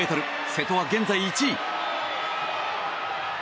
瀬戸は、現在１位！